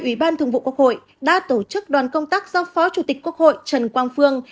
ủy ban thường vụ quốc hội đã tổ chức đoàn công tác do phó chủ tịch quốc hội trần quang phương